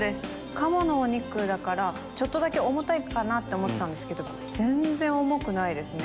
鴨のお肉だからちょっとだけ重たいかと思ってたんですけど全然重くないですね。